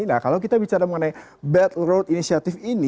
nah kalau kita bicara mengenai batt road initiative ini